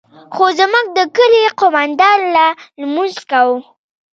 خو زموږ د كلي قومندان لا لمونځ كاوه.